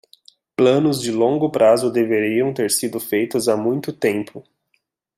Planos de longo prazo deveriam ter sido feitos há muito tempo